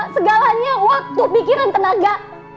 segalanya waktu pikiran tenaga